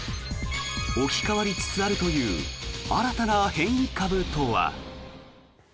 置き換わりつつあるという新たな変異株とは。